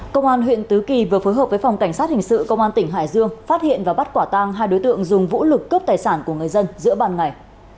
công an huyện tứ kỳ vừa phối hợp với phòng cảnh sát hình sự công an tỉnh hải dương phát hiện và bắt quả tang hai đối tượng dùng vũ lực cướp tài sản của người dân giữa bàn ngày